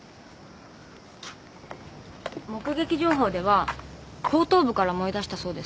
目撃情報では後頭部から燃えだしたそうです。